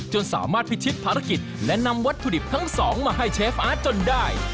จนสามารถพิชิตภารกิจและนำวัตถุดิบทั้งสองมาให้เชฟอาร์ตจนได้